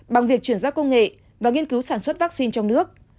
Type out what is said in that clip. bằng việc chuyển giao công nghệ và nghiên cứu sản xuất vaccine trong nước